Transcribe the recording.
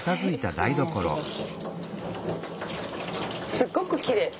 すっごくきれい！